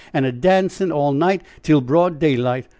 an' a dancing all night till broad daylight!